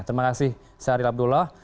terima kasih sahril abdullah